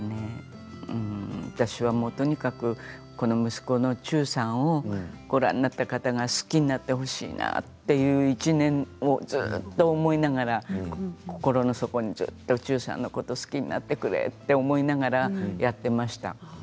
私はもうとにかくこの息子の忠さんをご覧になった方が好きになってほしいなという一念をずっと思いながら心の底にずっと忠さんのことを好きになってくれと思いながらやっていました。